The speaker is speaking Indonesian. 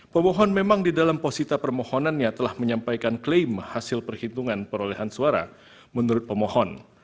pemohon memang di dalam posisi permohonannya telah menyampaikan klaim hasil perhitungan perolehan suara menurut pemohon